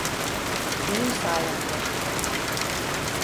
Benim sayemde.